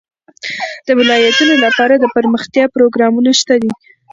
د ولایتونو لپاره دپرمختیا پروګرامونه شته دي.